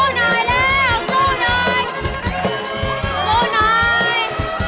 หำเทียกหน่อย